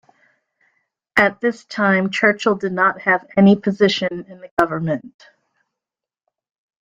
At this time Churchill did not have any position in the government.